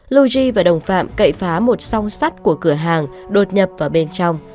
lu ji và đồng phạm cậy phá một song sắt của cửa hàng đột nhập vào bên trong